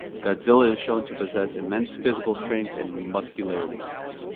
Godzilla is shown to possess immense physical strength and muscularity.